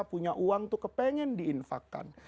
punya uang tuh kepengen diinfakkan